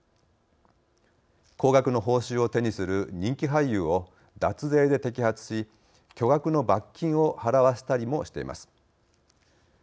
高額の報酬を手にする人気俳優を脱税で摘発し巨額の罰金を払わせたりもしています。